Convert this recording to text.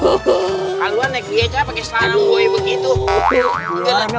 kalau naik biaja pakai selarang gue begitu